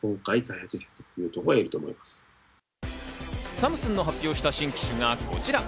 サムスンが発表した新機種がこちら。